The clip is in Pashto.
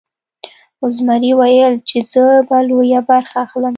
زمري ویل چې زه به لویه برخه اخلم.